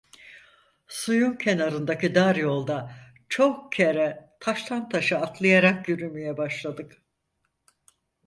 Suyun kenarındaki dar yolda, çok kere taştan taşa atlayarak, yürümeye başladık.